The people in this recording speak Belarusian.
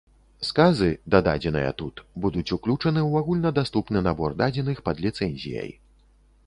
Сказы, дададзеныя тут, будуць уключаны ў агульнадаступны набор дадзеных пад ліцэнзіяй